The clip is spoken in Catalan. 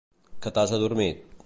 Que t'has adormit?